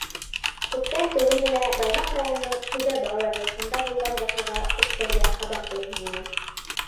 Күптән түгел генә Баймаҡ районының Түбә балалар йортонда булған ваҡиға күптәргә һабаҡ бирһен ине.